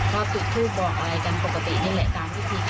เขาก็อศึกภูมิบอกกันปกติได้แหละกามพิธีที่มันน่ะ